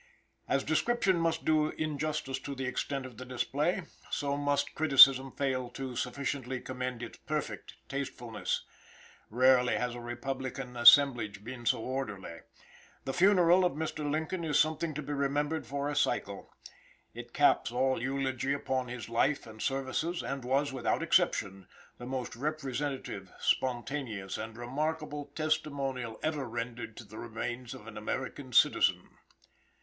As description must do injustice to the extent of the display, so must criticism fail to sufficiently commend its perfect tastefulness, Rarely has a Republican assemblage been so orderly. The funeral of Mr. Lincoln is something to be remembered for a cycle. It caps all eulogy upon his life and services, and was, without exception, the most representative, spontaneous, and remarkable testimonial ever rendered to the remains of an American citizen.